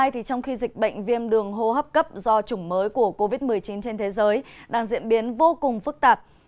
trong khi dịch bệnh viêm đường hô hấp cấp do chủng mới của covid một mươi chín trên thế giới đang diễn biến vô cùng phức tạp